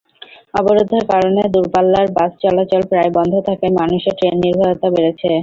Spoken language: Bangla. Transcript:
অবরোধের কারণে দূরপাল্লার বাস চলাচল প্রায় বন্ধ থাকায় মানুষের ট্রেন-নির্ভরতা বেড়েছে।